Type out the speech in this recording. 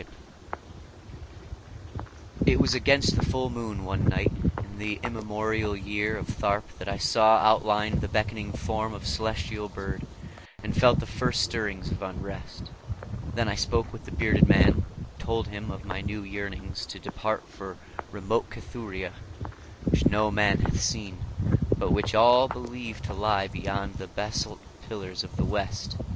10em 0 0;">It was against the full moon one night in the immemorial year of Tharp that I saw outlined the beckoning form of the celestial bird, and felt the first stirrings of unrest. Then I spoke with the bearded man, and told him of my new yearnings to depart for remote Cathuria, which no man hath seen, but which all believe to lie beyond the basalt pillars of the West.